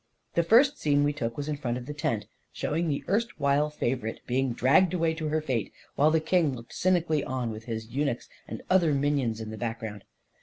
The first scene we took was in front of the tent, showing the erstwhile favorite being dragged away to her fate, while the king looked cynically on, with his eunuchs and other minions in the background.